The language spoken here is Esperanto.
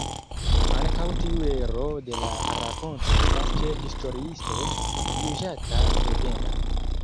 Ankaŭ tiu ero de la rakonto estas ĉe historiistoj juĝata legenda.